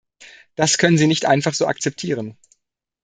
Das können Sie nicht einfach so akzeptieren.